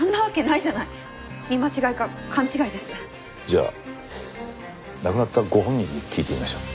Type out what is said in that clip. じゃあ亡くなったご本人に聞いてみましょう。